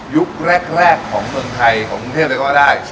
ยุคแรกของเมืองไทยของกรุงเทพเลยก็ว่าได้